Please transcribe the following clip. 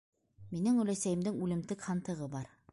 - Минең өләсәйемдең үлемтек һандығы бар.